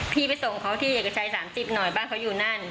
พี่ไปส่งเขาที่เอกชัย๓๐หน่อยบ้านเขาอยู่นั่น